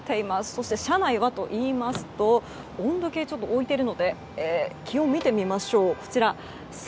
そして車内はといいますと温度計を置いているので気温を見てみましょう。